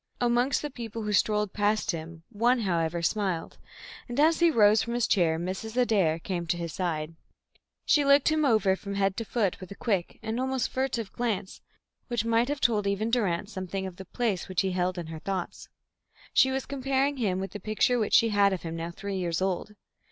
Amongst the people who strolled past him, one, however, smiled, and, as he rose from his chair, Mrs. Adair came to his side. She looked him over from head to foot with a quick and almost furtive glance which might have told even Durrance something of the place which he held in her thoughts. She was comparing him with the picture which she had of him now three years old.